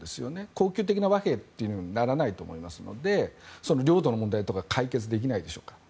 恒久的な和平とはならないと思いますので領土の問題とか解決できないでしょうから。